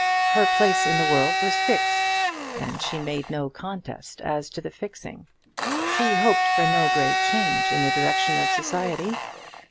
Her place in the world was fixed, and she made no contest as to the fixing. She hoped for no great change in the direction of society.